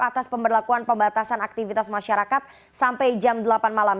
atas pemberlakuan pembatasan aktivitas masyarakat sampai jam delapan malam